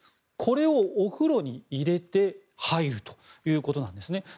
これをお風呂に入れて入るということなんですね。